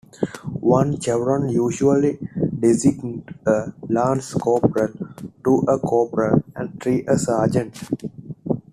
One chevron usually designates a lance corporal, two a corporal, and three a sergeant.